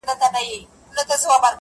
كه په رنگ باندي زه هر څومره تورېږم